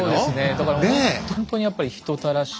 だからほんとにやっぱり人たらしで。